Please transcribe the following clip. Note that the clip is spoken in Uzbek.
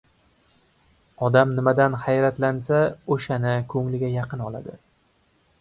Odam nimadan hayratlansa, o‘shani ko‘ngliga yaqin oladi.